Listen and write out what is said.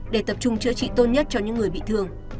để tập trung chữa trị tốt nhất cho những người bị thương